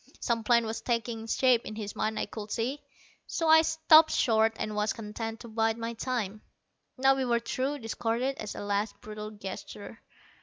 Some plan was taking shape in his mind, I could see, so I stopped short, and was content to bide my time. Now we were through, discarded, as a last brutal gesture.